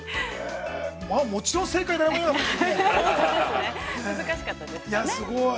もちろん正解、誰もいなかったですね。